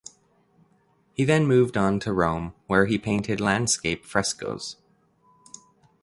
He then moved on to Rome where he painted landscape frescos.